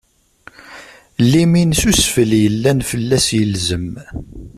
Limin s usfel yellan fell-as ilzem.